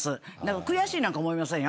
悔しいなんか思いませんよ。